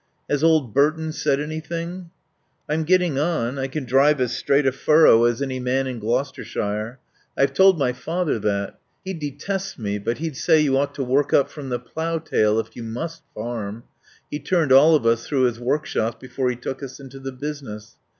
"Has old Burton said anything?" "I'm getting on. I can drive as straight a furrow as any man in Gloucestershire. I've told my father that. He detests me; but he'd say you ought to work up from the plough tail, if you must farm. He turned all of us through his workshops before he took us into the business.